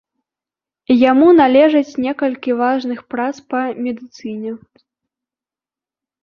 Яму належаць некалькі важных прац па медыцыне.